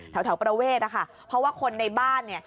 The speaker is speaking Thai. แถวประเวทนะคะเพราะว่าคนในบ้านเนี่ย